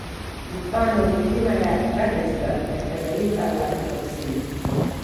Mfano milima ya Drankesberg katika taifa la Afrika Kusini